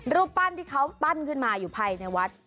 รูปปั้นที่เขาปั้นขึ้นมาอยู่ภายในวัด